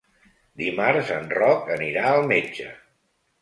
Dimarts en Roc anirà al metge.